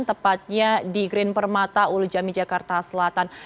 tepatnya di green permata ulu jami jakarta selatan